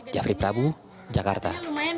jafri prabu jakarta